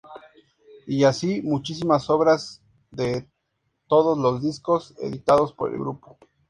Y así, muchísimas obras de todos los discos editados por el grupo.